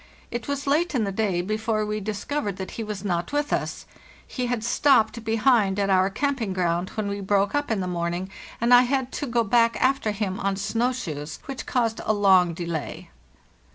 It was late in the day before we discovered that he was not with us; he had stopped behind at our camp ing ground when we broke up in the morning, and I had to go back after him on snow shoes, which caused a long delay.